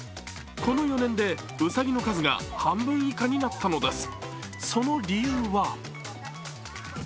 この４年で、うさぎの数が半分以下になったのです。